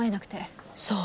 そう。